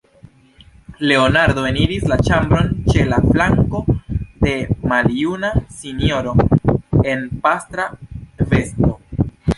Leonardo eniris la ĉambron ĉe la flanko de maljuna sinjoro en pastra vesto.